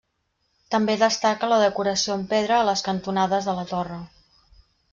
També destaca la decoració en pedra a les cantonades de la torre.